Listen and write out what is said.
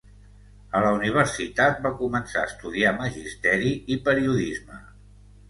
A la universitat va començar a estudiar magisteri i periodisme.